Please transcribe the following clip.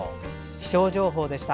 気象情報でした。